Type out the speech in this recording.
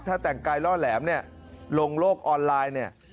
ถ้าแต่งกายล่อแหลมเนี่ยลงโลกออนไลน์เนี่ย